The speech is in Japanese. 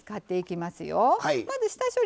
まず下処理